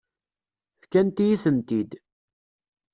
Fkant-iyi-tent-id.